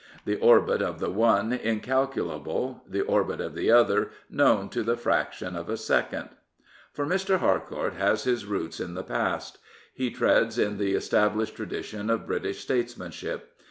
The orbit of the one incalculable: the orbit of the other known to the fraction of a second. For Mr. Harcourt has his roots in the past. He treads in the established tradition of British states manship.